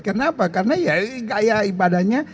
kenapa karena ya gaya ibadahnya